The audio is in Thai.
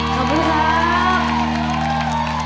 ขอบคุณครับ